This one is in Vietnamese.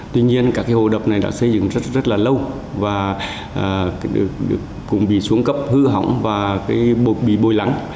tuy nhiên các cái hồ đập này đã xây dựng rất là lâu và cũng bị xuống cấp hư hỏng và bị bồi lắng